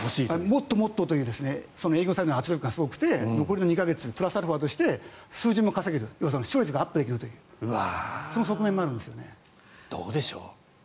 もっともっとという営業サイドの圧力がすごくて残りの２か月プラスアルファとして数字も稼げる視聴率がアップできるというどうでしょう。